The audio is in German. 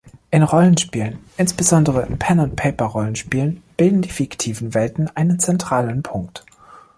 In Rollenspielen, insbesondere in Pen-&-Paper-Rollenspielen bilden die fiktiven Welten einen zentralen Punkt.